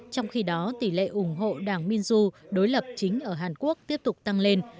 trong khi đó tỷ lệ ủng hộ đảng minzo đối lập chính ở hàn quốc tiếp tục tăng lên